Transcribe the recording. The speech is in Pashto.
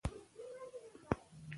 روغتیا د هر انسان لپاره مهمه ده